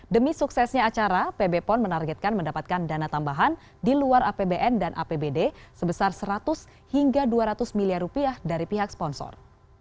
demi suksesnya acara pb pon menargetkan mendapatkan dana tambahan di luar apbn dan apbd sebesar seratus hingga dua ratus miliar rupiah dari pihak sponsor